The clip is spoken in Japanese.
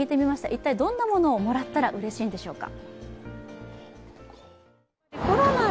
一体、どんなものをもらったらうれしいんでしょうか？